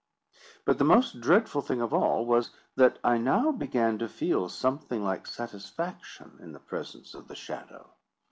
But the most dreadful thing of all was, that I now began to feel something like satisfaction in the presence of the shadow.